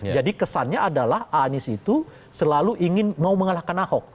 jadi kesannya adalah anis itu selalu ingin mau mengalahkan ahok